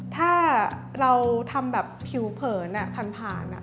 ถ้าเราทำแบบผิวเผินผ่าน